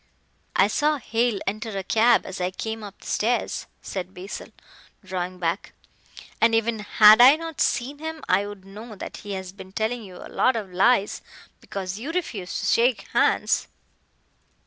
"I saw Hale enter a cab as I came up the stairs," said Basil, drawing back; "and even had I not seen him I would know that he has been telling you a lot of lies because you refuse to shake hands."